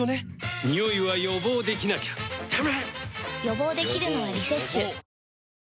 予防できるのは「リセッシュ」予防予防。